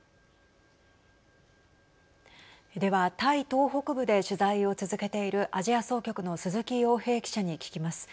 では、タイ東北部で取材を続けているアジア総局の鈴木陽平記者に聞きます。